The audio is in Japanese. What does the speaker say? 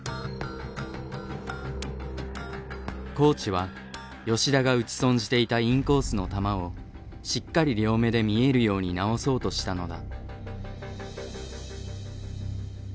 コーチは吉田が打ち損じていたインコースの球をしっかり両目で見えるように直そうとしたのだ。